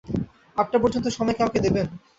আটটা পর্যন্ত সময় কি আমাকে দেবেন?